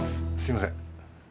すみません